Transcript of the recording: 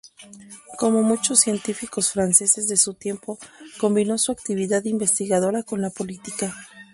Como muchos científicos franceses de su tiempo, combinó su actividad investigadora con la política.